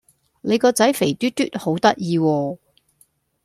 你個仔肥嘟嘟好得意喎